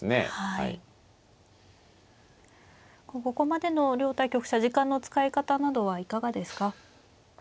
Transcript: ここまでの両対局者時間の使い方などはいかがですか。